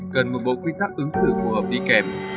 cần một bộ quy tắc ứng xử phù hợp đi kèm